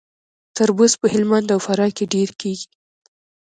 تربوز په هلمند او فراه کې ډیر کیږي.